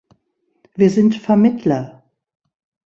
Wir sind Vermittler.